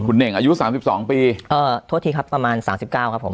เน่งอายุ๓๒ปีเออโทษทีครับประมาณสามสิบเก้าครับผม